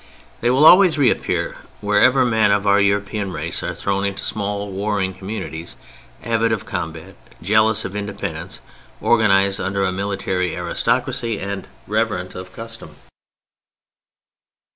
They will always reappear wherever men of our European race are thrown into small, warring communities, avid of combat, jealous of independence, organized under a military aristocracy and reverent of custom.